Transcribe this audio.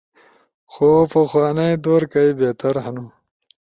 خو پخوانئی دور کئی بہتر ہنو۔